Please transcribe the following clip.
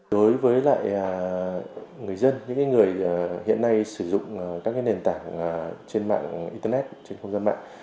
đối với lại người dân những người hiện nay sử dụng các nền tảng trên mạng internet trên không gian mạng